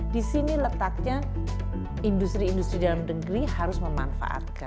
disini letaknya industri industri dalam negeri harus memanfaatkan